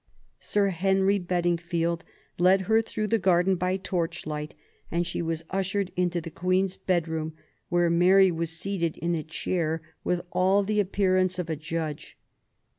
Sir Henry Bedingfield led her through the garden by torchlight and she was ushered into the Queen's bedroom, where Mary was seated in a chair, with all the appearance of a judge.